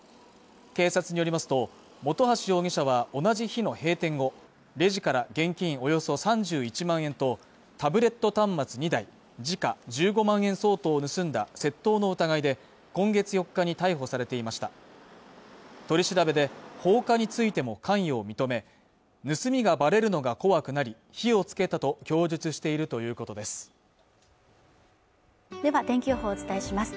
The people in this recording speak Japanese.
警察によりますと本橋容疑者は同じ日の閉店後レジから現金およそ３１万円とタブレット端末２台時価１５万円相当を盗んだ窃盗の疑いで今月４日に逮捕されていました取り調べで放火についても関与を認め盗みがばれるのが怖くなり火をつけたと供述しているということですでは天気予報をお伝えします